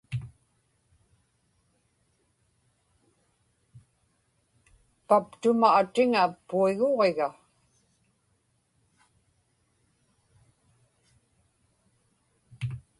paptuma atiŋa puiguġiga